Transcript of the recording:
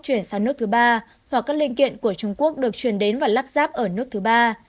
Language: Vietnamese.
chuyển sang nước thứ ba hoặc các linh kiện của trung quốc được truyền đến và lắp ráp ở nước thứ ba